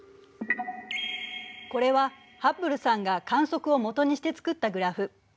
これはハッブルさんが観測を基にして作ったグラフ。